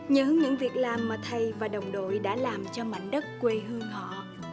những việc làm mà thầy và đồng đội đã làm cho mảnh đất quê hương họ